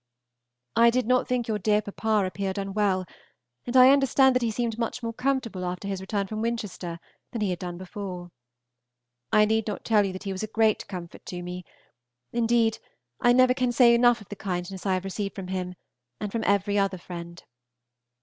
I did not think your dear papa appeared unwell, and I understand that he seemed much more comfortable after his return from Winchester than he had done before. I need not tell you that he was a great comfort to me; indeed, I can never say enough of the kindness I have received from him and from every other friend.